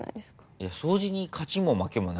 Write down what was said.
いや掃除に勝ちも負けもないでしょ。